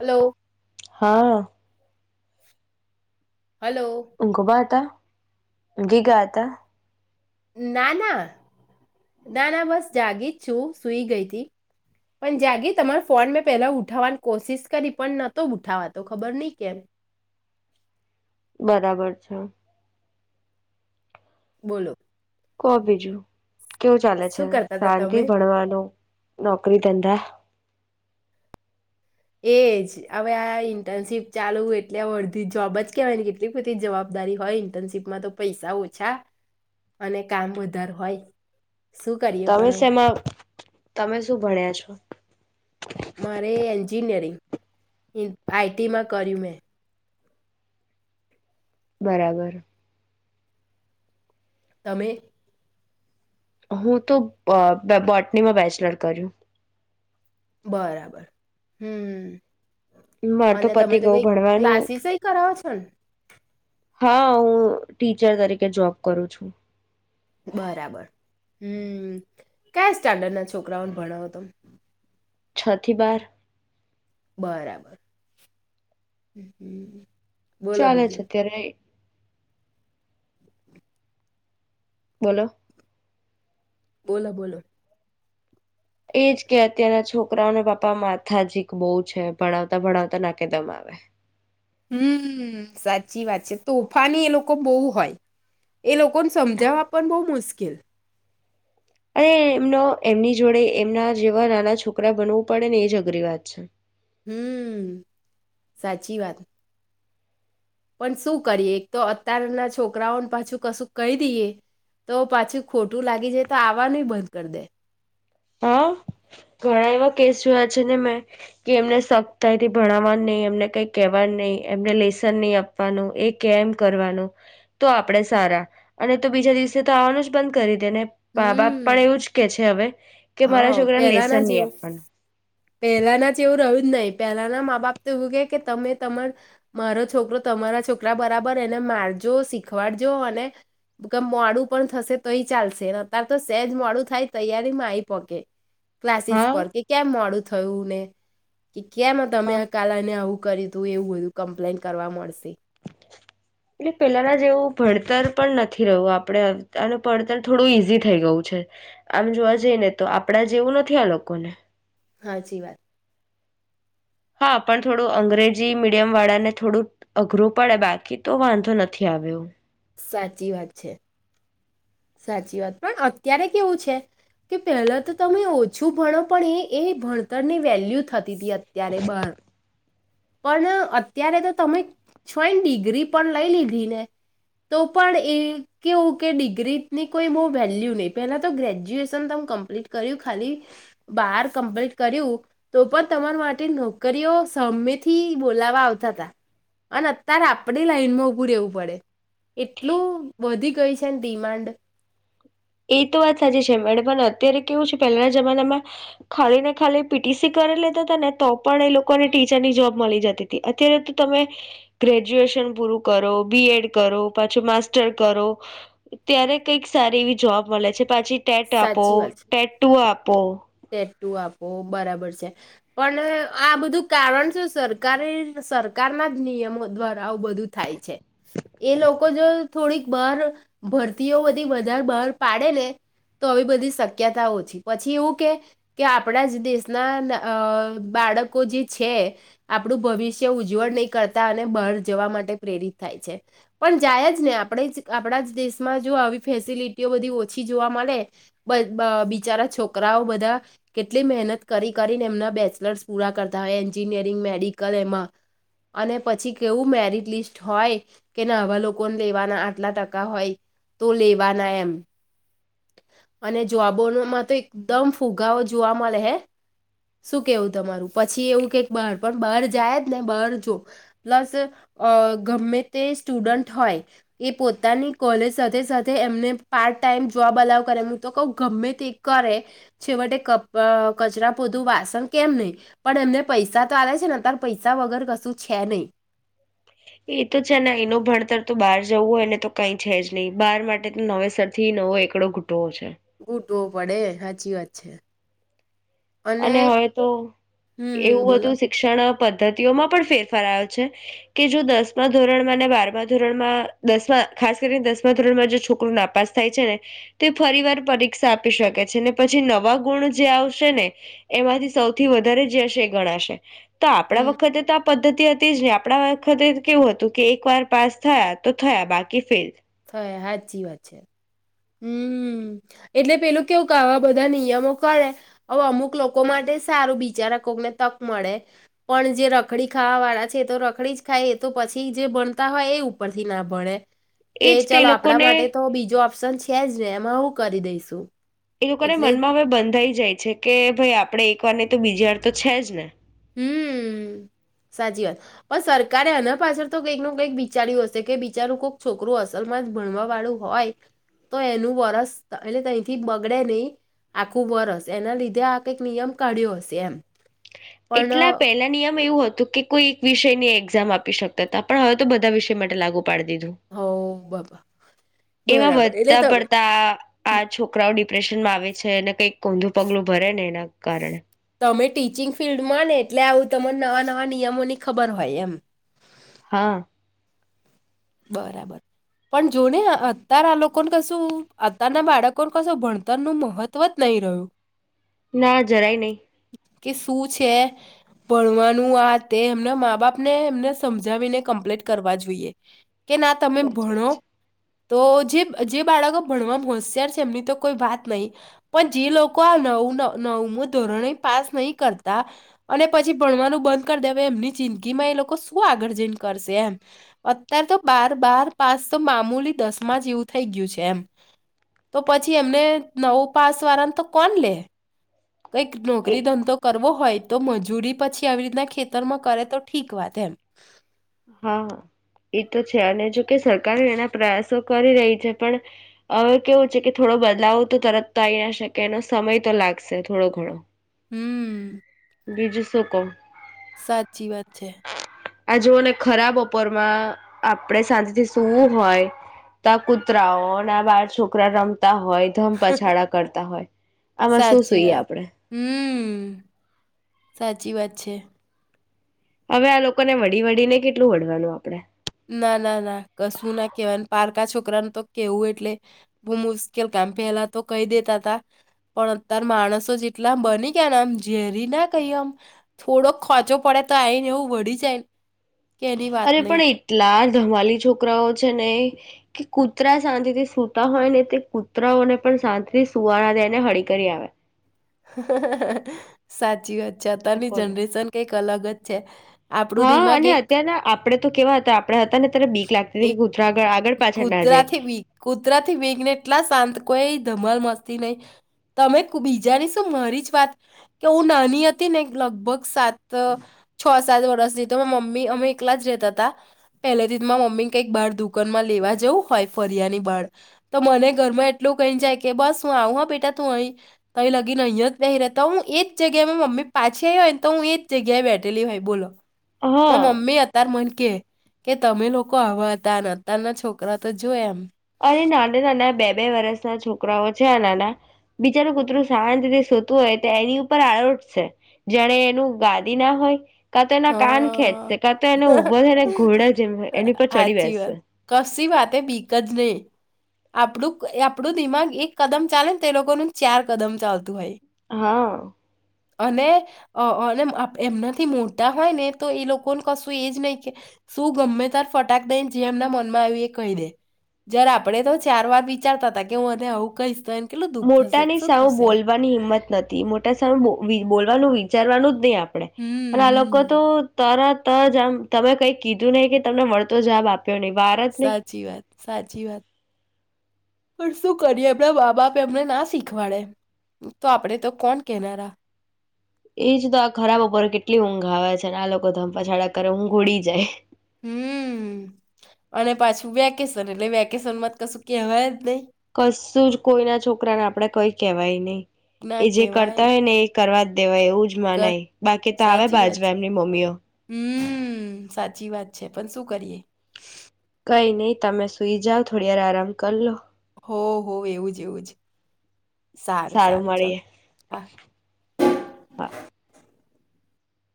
Hello હા. Hello અમ કોબા હતા? ગીગા હતા. ના ના, ના ના બસ જાગી છું સુઈ ગઈ તી. પણ જાગી તમાર ફોન મેં પેલા ઉઠાવવાની કોશિશ કરી પણ નતો ઉઠાવાતો ખબર નઈ કેમ. બરાબર છે. બોલો. તો બીજું કેવું ચાલે છે? શું કરતા હતા શાંતિ તમે ભણવાનું નોકરી ધંધા? એજ હવે આ ઇન્ટર્નશીપ ચાલુ એટલે આ અડધી જોબ જ કેહેવાયને કેટલી બધી જવાબદારી હોય ઇન્ટર્નશીપમાં તો પૈસા ઓછા અને કામ વધારે હોય. શું કરીએ તમે પણ હવે. શેમાં તમે શું ભણ્યા છો? મારે એન્જિનિયરિંગ આઈ ટીમાં કર્યું મેં. બરાબર. તમે? હું તો બોટનીમાં બેચલર કર્યું. બરાબર હમ. માર અને પતિ તમે તો ગયું કઈ ભણવાનું ક્લાસીસ કરાવો છો ને. હા હું ટીચર તરીકે જોબ કરું છું. બરાબર હમ કયા સ્ટાન્ડર્ડ ના છોકરાઓને ભણાવો તમે. છથી બાર બરાબર હ. ચાલે છે અત્યારે? બોલો. બોલો બોલો. એજ કે અત્યારના છોકરાઓને પાપા માથાજીીક બહુ છે ભણાવતા ભણાવતા નાકેદમ આવે. હમ સાચી વાત છે તોફાની એ લોકો બહુ હોય. એ લોકોને સમજાવવા પણ બહુ મુશ્કેલ ઉકેલ અરે એમનો એમની જોડે એમના જેવા નાના છોકરા બનવું પડે ને એ જ અઘરી વાત છે. હમ સાચી વાત. પણ શું કરીએ એક તો અતારના છોકરાઓને પાછું કશું કહી દઈએ તો પાછું ખોટું લાગી જાય તો આવવાનું બંધ કરી દે. હા ઘણા એવા કેસ જોયા છે ને મેં કે એમને સખ્તાઈથી ભણાવવા નહી એમને કઈ કેવાનું નહી એમને લેસન નહી આપવાનું એ કેમ કરવાનું તો આપડે સારા અને તો બીજા દિવસે તો આવવાનું જ બંધ કરી. તેને બાપ હમ્મ પણ એવું જ કે છે હવે કે મારા છોકરાને લેસન નહી આપવાનો. પહેલા ના જ એવું રવિંદ ન. પેલાના મા બાપ તો એવું કે કે તમે તમાર મારો છોકરો તમારા છોકરા બરાબર એને મારજો શીખવાડજો અને મોડું પણ થશે તો એ ચાલશે અતાર તો સેજ મોડું થાય તૈયારી મા આવી પકે. ક્લાસીસ હા પર કે કેમ મળું. થયું ને. કે કે્યા તમે હા આ કાલા ને આવું કરી. તું એવું બધું કમ્પ્લેન કરવા મળશે. એટલે પેલાના જેવું ભડતર પણ નથી રહ્યું આપણેે આનું પડતર થોડું ઈઝી થઈ ગયું છે આમ જોવા જઈ ને તો આપડા જેવું નથી આ લોકોને. હાચી વાત. હા પણ થોડું અંગ્રેજી મીડિયમ વાળાને થોડું અઘરું પડે બાકી તો વાંધો નથી આવ્યો. સાચી વાત છે. સાચી વાત પણ અત્યારે કેવું છે કે પહેલા તો તમે ઓછું ભણો પણ એ એ ભણતરની વેલ્યુ થતી. અત્યારે બહાર. પણ અત્યારે તો તમે છોયને ડિગ્રી પણ લઈ લીધી ને તો પણ એ કેવું કે ડિગ્રી. ની કોઈ બહુ વેલ્યુ નહીં પહેલા તો ગ્રેજ્યુએશન તમ કમ્પ્લીટ કર્યું ખાલી બાર કમ્પ્લીટ કર્યું તો પણ તમારા માટે નોકરીઓ સમેથી બોલાવા આવતા હતા અને અત્યારે આપણે લાઈનમાં ઉઊભું રહેવું પડે એટલું વધી ગઈ છે ડિમાન્ડ એ તો વાત સાચી છે મેડમ પણ અત્યારે કેવું છે પહેલાના જમાનામાં ખાલી ને ખાલી પીટીસી કરી લેતા હતા ને તો પણ એ લોકોને ટીચરની જોબ મળી જતી હતી અત્યારે તો તમે ગ્રેજ્યુએશન પૂરું કરો બીએડ કરો પાછો માસ્ટર કરો ત્યારે કંઈક સારી એવી જોબ મળે છે પાછી ટેટ આપો ટેટ ટુ આપો સેટુ આપો બરાબર છે પણ આ બધું કારણ શું સરકારી સરકારના જ નિયમો દ્વારા આવું બધું થાય છે એ લોકો જો થોડીક બહાર ભરતીઓ બધી વધારે બહાર પાડે ને તો આવી બધી શક્યતા ઓછી પછી એવું કે કે આપણા જ દેશના બાળકો જે છે આપણું ભવિષ્ય ઉજ્જવળ નહીં કરતા અને બહાર જવા માટે પ્રેરિત થાય છે પણ જાય જ ને આપણે જ આપણા જ દેશમાં જો આવી ફેસિલિટીઓ બધી ઓછી જોવા મળે બિચારા છોકરાઓ બધા કેટલી મહેનત કરી કરીને એમના બેચલર્સ પૂરા કરતા હોય એન્જિનિયરિંગ મેડિકલ એમાં અને પછી કેવું મેરિટ લિસ્ટ હોય કે આવા લોકોને લેવાના આટલા ટકા હોય તો લેવાના એમ અને જોબોમાં તો એકદમ ફુગાો જોવા મળે હે શું કેવું તમારું પછી એવું કે બહાર પણ બહાર જાય જ ને બહાર જો પ્લસ ગમે તે સ્ટુડન્ટ હોય એ પોતાની કોલેજ સાથે સાથે એમને પાર્ટ ટાઈમ જોવાબ અલાવ કરે હું તો કહ ગમે તે કરે છેવટે ક કચરા પોતું વાસણ કેમ નહી પણ એમને પૈસા તો ચ છે ને અતાર પૈસા વગર કશું છે નહીં એ તો છે એનો ભણતર તો બહાર જવું હોય એને તો કઈ છે જ નહીિ બાર માટે તો નવેસર થી નવો એકડો ઘૂટવો છે ઉટવો પડે સાચી વાત છે અને હવે તો હમ એવું હમ બોલો બધું શિક્ષણ પદ્ધતિઓમાં પણ ફેરફાર આવ છે કે જો દસમા ધોરણમાં ને બારમા ધોરણમાં દસમા ખાસ કરીને દસમા ધોરણમાં જે છોકરું નાપાસ થાય છે ને તે ફરી વાર પરીક્ષા આપી શકે છે ને પછી નવા ગુણ જે આવશે ને એમાંથી સૌથી વધારે જ હશે ગણાશે તો આપણા હમ વખતે તો પદ્ધતિ હતી જ ને આપણા વખતે કેવું હતું કે એક વાર પાસ થયા તો થયા બાકી ફેલ હય હચી વાત છે હમ એટલે પેલું કેવું કે આવા બધા નિયમો કરે હવે અમુક લોકો માટે સારું બિચારા કોકને તક મળે પણ જે રખડી ખાવા વાળા છે તો રખડી જ ખાય એ તો પછી જે ભણતા હોય એ ઉપરથી ના ભણે કે એજ તે ચલો આપણા લોકોને માટે તો બીજો આપક્્ન છે ખે જવેેમાં આવું કરી દઈશું એ લોકોને એટલે મનમાં હવે બંધાઈ જાય છે કે ભાઈ આપડણે વારની તો બીજી વાર તો છે જ ને હમ સાચી વાત પણ સરકારે એના પાછળ તો કંઈક ન કંઈક બિચાર્યું હશે કે બિચારું કોઈક છોકરું અસલમાં જ ભણવા વાળું હોય તો એનું વરસ એટલે તંથી બગડે નહી આખું વરસ એના લીધે આ કંઈક નિયમ કાઢ્યો હશે એમ પણ એટલા પહેલા નિયમ એવું હતો તો કે કોઈ એક વિષયની એક્ઝામ આપી શકતા તા પણ હવે તો બધા વિષય માટે લાગુ પાડ દીધું. હો બાબા એમાં બરાબર એટલે વધા તમે પડતા છોકરાઓ ડિપ્રેશન લાવે છે અનેને કંઈક કુલ્લુ પગલું ભરે ને એના કારણે. તમે ટીચિંગ ફિલ્ડમાં ને એટલે આવું ત નવા નવા નિયમો ની ખબર હોય એમ. હા. બરાબર પણ જો ને અતાર આ લોકોને કશું અતારના બાળકો કશું ભણતર નું મહત્વ જ નહી રહ્યું. ના જરાય નહી. કે શું છે ભણવાનું આ તે એમને મા બાપ ને એમને સમજાવીને કમ્પ્લીટ કરવા જોઈએ. કે ના તમે સાચી ભણો. વાત છે તો જે જે બાળકો ભણવા હોશિયાર છે એમની તો કોઈ વાત નહીિ પણ જે લોકો આ નવું નવમું ધોરણે પાસ નહી કરતા અને પછી ભણવાનું બંધ કરી દેવા એમની જિંદગીમાં એ લોકો શું આગળ જઈને કરશે એમ. અત્યારે તો બાર બાર પાસ તો મામુલી દસ માં જ એવું થઈ ગયું છે એમ. તો પછી એમને નવ પાસ વાળાને તો કોણ લે? કંઈક એ નોકરી ધંધો કરવો હોય તો મજૂરી પછી આવી રીતના ખેતરમાં કરે તો ઠીક વાત એમ. હા એ તો છે અને જોકે સરકાર એના પ્રયાસો કરી રહી છે પણ હવે કેવું છે કે થોડો બદલાવ તો તરત તો આવીઈ ના શકે એનો સમય તો લાગશે થોડો ઘણો. હમ્મ. બીજું શું કો? સાચી વાત છે. આ જોઓને ખરાબ ઉપર માં આપણેે શાજથી સુવું હોય તો કૂતરાઓ ના બળ છોકરા રમ તા હોય ધમ પછાડા કરતા હોય. આમાં શું સાચી સુઈએ વાત. આપણેે? હમ્મ. સાચી વાત છે. હવે આ લોકોને વળી વળીને કેટલું વળવાનું આપડે. ના ના ના કશું ના કહેવાય પારકા છોકરાને તો કેવું એટલે બહ મુશ્કેલ કામ પેલા તો કહી દેતા ત પણ અતાર માણસો જેટલામ બની ગયાને આમ ઝેરી ના કહી આમ થોડોક ખોચો પડે તો આવીને એવું વળી જાયને. કેની વાત નહી. કેટલા ધમાલી છોકરાઓ છે ને કે કૂતરા શાંતિથી સૂતા હોય ને તે કૂતરાઓને પણ શાંતિથી સુવાના એને હળી કરી આવે. સાચી વાત. જતા ની બોલો જનરેશન કે અલગ જ છે. આપણું હા દિમાગ અને એક અત્યારના આપડે તો કેવા હતા આપડ હતા ને ત્યારે બીક લાગતા. એક કુતરાથી વિઘને એટલા શાંત કોઈ ધમલ મસ્તી નહી તમે બીજાની શું મારી જ વાત કે હું નાની હતી ને લગભગ સાત છ સાત વર્ષથી તો મમ્મી અમે એકલા જ રેતા હતા પહેલેથી મમ્મી કંઈક બળ દુકાનમાં લેવા જવું હોય ફરિયા ની બળ તો મને ઘરમાં એટલું કઈ જાય કે બસ હું આવ હ બેટા તું અહી તો લગીને અહીંયા જ પ રહતા હું એજ જગ્યામાં મમ્મી પાછી આવી હોય ને તો હું એ જગ્યાએ બેઠેલી હોય બોલો. હા મમ્મી અતાર મને કે કે તમે લોકો લોકો હવે હતા અતારના છોકરા તો જોઈ એમ. અરે નાના નાના બે બે વરષના છોકરાઓ છે આ નાના બીજાનું કુતરું શાંત રીતે સોતું હોય તો એની ઉપર આરોટ છે જાણે એનું ગાદી ના હોય. કા તો એના કાન હા. ખેંચશે કા તો એને ઉભો છેને ઘોડે એની પર ચડી હાચી બેસશે. વાત કશી વાતે બીક જ નહીં. આપણું આપણું દિમાગ એક કદમ ચાલે ને તે લોકોનું ચાર કદમ ચાલતું હોય. હા. અને અને એમનાથી મો. હોય ને તો એ લોકોને કશું એ જ નહી કે શું ગમે ત્યારે ફટાક દઈને જે એમના મનમાં આવ્યું એ કહી દે જ્યારે આપડે તો ચાર વાર વિચારતા હતા કે હું મને આવું કહીશ તો. કેટલું દુઃખ થશે મોટાની શું સાવ થશે એમ. બોલવાની હિંમત નથી મોટા સાવ બોલવાનું. ચરવાનું જ નહી આપ. આપે હમ્મ અને આ લોકો હમ્મ. તો તરત. તો જમ તમે કઈ કીધું નહીિ કે તમને વળતો જવાબ આપ્યો નહી. વાર જ નહી સાચી વાત સાચી વાત. પણ શું કરીએ એમના બા બાપ એમને ના શીખવાડે તો આપણે તો કોણ કેહેનારા. એજ તો આ ખરાબ ઉપર કેટલી ઊંઘ આવે છે અને આ લોકો ધંપાછાડા કરે ઊંઘ ઉળી જાય. હમ અને પાછું વેકેશન એટલે વેકેશન માં જ કશું કેવાય. કશું જ કોઈ ના છોકરા ને આપડે કઈ. કહેવાય નહીં. એ ના જે કરતા કહેવાય હોય ને એ કરવા. દેવાયું એવું જ કર માનાય બાકી તો આવે સાચી વાત છે બાજવા એમની મમ્મીઓ હમ સાચી વાત છે પણ શું કરીએ કઈ નઈ તમે સુઈ જાાવ થોડી વાર આરામ કર લો હો હો એવું જ એવું જ સારું સારું ચ હા હા.